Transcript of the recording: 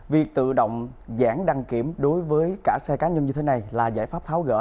việc tự động giảm đăng kiểm đối với cả xe cá nhân như thế này là giải pháp tháo gỡ